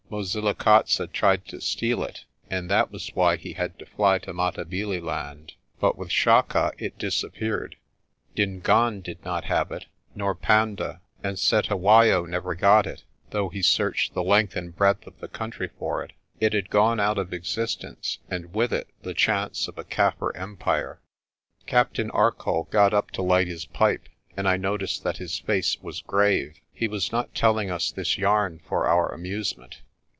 Mosi likatse tried to steal it, and that was why he had to fly to Matabeleland. But with Chaka it disappeared. Dingaan ARCOLL TELLS A TALE 97 did not have it, nor Panda, and Cetewayo never got it, though he searched the length and breadth of the country for it. It had gone out of existence, and with it the chance of a Kaffir empire." Captain Arcoll got up to light his pipe, and I noticed that his face was grave. He was not telling us this yarn for our amusement.